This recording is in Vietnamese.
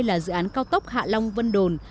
là dự án cao tốc hạ long vân đồn